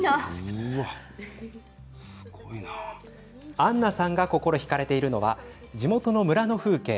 アンナさんが心ひかれているのは地元の村の風景。